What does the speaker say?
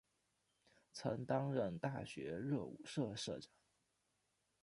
曾担任大学热舞社社长。